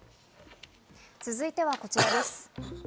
続いては、こちらです。